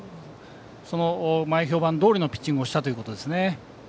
その前評判どおりのピッチングをしたということですね。